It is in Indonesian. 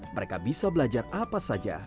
mereka bisa belajar apa saja